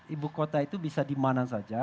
ibu kota itu bisa dimana saja